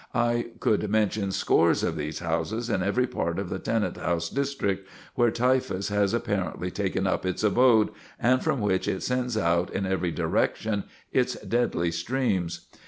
I could mention scores of these houses in every part of the tenant house district where typhus has apparently taken up its abode, and from whence it sends out in every direction its deadly streams.